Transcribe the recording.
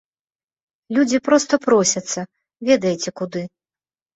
Людзі проста просяцца, ведаеце куды.